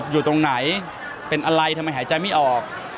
อยู่ตรงไหนเป็นอะไรทำไมหายใจไม่ออก